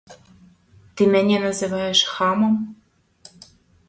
Ты мяне называеш хамам?